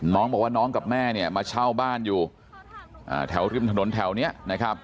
น้องบอกว่าน้องกับแม่เนี่ยมาเช่าบ้านอยู่แถวริมถนนแถวนี้นะครับ